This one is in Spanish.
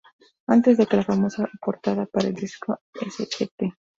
Antes de que la famosa portada para el disco Sgt.